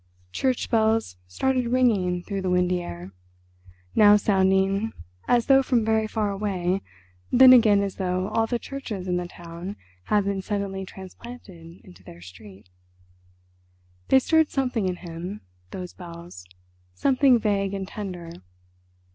Church bells started ringing through the windy air, now sounding as though from very far away, then again as though all the churches in the town had been suddenly transplanted into their street. They stirred something in him, those bells, something vague and tender.